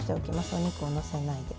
お肉を載せないで。